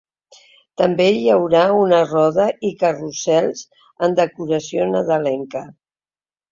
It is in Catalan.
També hi haurà una roda i carrusels amb decoració nadalenca.